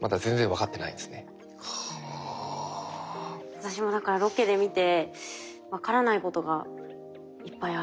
私もだからロケで見て分からないことがいっぱいある。